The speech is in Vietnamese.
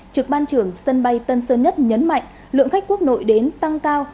trực ban trưởng sân bay tân sơn nhất nhấn mạnh lượng khách quốc nội đến tăng cao